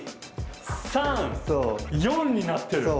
１２３４になってる。